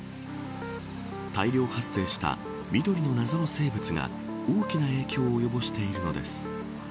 大量発生した緑の謎の生物が大きな影響をおよぼしているのです。